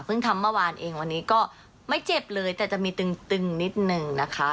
ทำเมื่อวานเองวันนี้ก็ไม่เจ็บเลยแต่จะมีตึงนิดนึงนะคะ